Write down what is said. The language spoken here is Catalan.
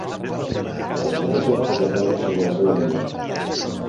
Es coneixen poques dades sobre la seva vida.